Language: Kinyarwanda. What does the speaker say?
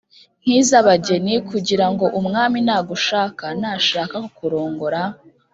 nk’iz’abageni kugira ngo umwami nagushaka, nashaka kukurongora,